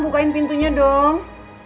bukain pintunya dong